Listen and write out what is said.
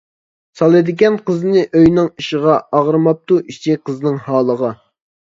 سالىدىكەن قىزنى ئۆينىڭ ئىشىغا، ئاغرىماپتۇ ئىچى قىزنىڭ ھالىغا.